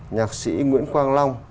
nhạc sĩ nguyễn quang long